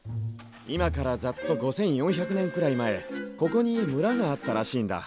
今からざっと５，４００年くらい前ここに村があったらしいんだ。